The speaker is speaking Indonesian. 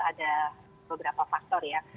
ada beberapa faktor ya